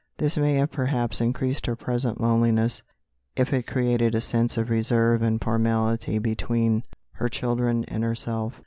This may have perhaps increased her present loneliness, if it created a sense of reserve and formality between her children and herself.